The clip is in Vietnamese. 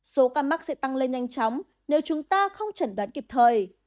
số ca mắc sẽ tăng lên nhanh chóng nếu chúng ta không chẩn đoán kịp thời